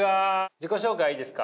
自己紹介いいですか？